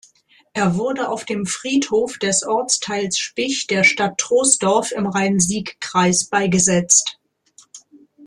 Er wurde auf dem Friedhof des Ortsteils Spich der Stadt Troisdorf im Rhein-Sieg-Kreis beigesetzt.